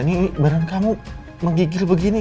ini barang kamu menggigil begini